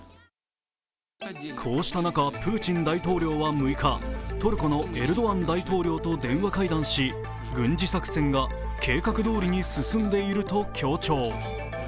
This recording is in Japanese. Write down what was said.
こうした中、プーチン大統領は６日トルコのエルドアン大統領と電話会談し軍事作戦が計画どおり進んでいると強調。